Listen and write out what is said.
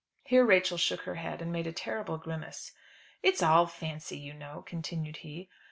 Here Rachel shook her head, and made a terrible grimace. "It's all fancy you know," continued he.